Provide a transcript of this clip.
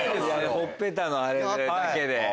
ほっぺたのあれだけで。